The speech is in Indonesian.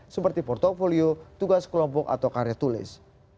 seperti portfolio tugas kelompok atau karya tulis